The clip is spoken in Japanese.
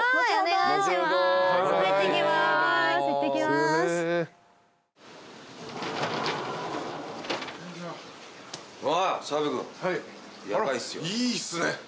いいっすね。